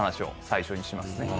最初にしますね。